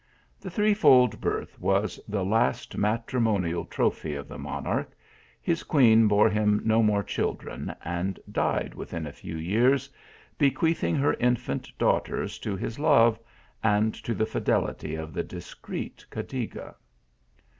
The threefold birth was the last matrimonial 134 THE ALII A MBRA. trophy of the monarch ; his queen bore him no more children, and died within a few years, bequeathing her infant daughters to his love, and to the fidelity of the discreet Cadiga.